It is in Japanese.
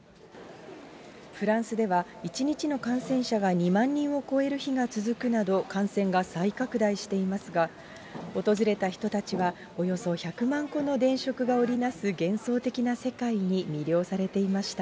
フランスでは、１日の感染者が２万人を超える日が続くなど、感染が再拡大していますが、訪れた人たちは、およそ１００万個の電飾が織成す幻想的な世界に魅了されていました。